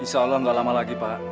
insya allah nggak lama lagi pak